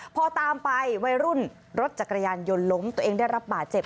พอตามไปวัยรุ่นรถจักรยานยนต์ล้มตัวเองได้รับบาดเจ็บ